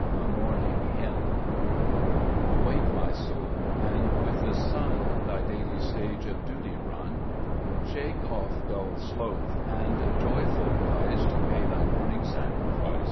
H /IDorning 1b£mn, AWAKE, my soul, and with the sun Thy daily stage of duty run : Shake off dull sloth, and joyful rise To pay thy morning sacrifice.